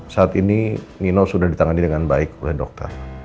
saat ini nino sudah ditangani dengan baik oleh dokter